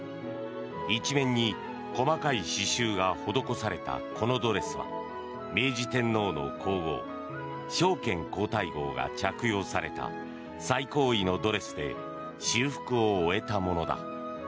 一面に細かい刺しゅうが施されたこのドレスは明治天皇の皇后昭憲皇太后が着用された最高位のドレスで修復を終えたものだ。